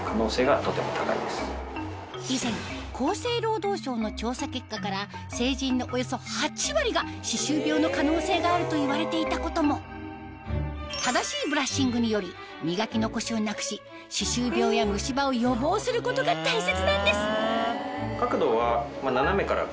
以前厚生労働省の調査結果から成人のおよそ８割が歯周病の可能性があるといわれていたことも正しいブラッシングにより磨き残しをなくし歯周病や虫歯を予防することが大切なんです